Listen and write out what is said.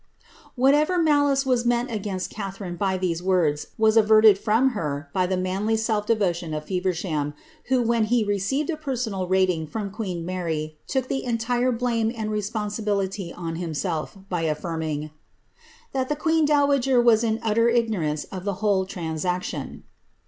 Whatsoever malice was meant against Catharine by these words, was averted from her by the manly self devotion of Feversham, who when he received a personal rating from queen Mary, took the entire blame and responsibility on himself, by affirming ^ that the queen dowager was in ntter ignomnce of the whole transaction."